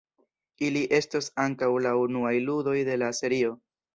Ili estos ankaŭ la unuaj ludoj de la serio.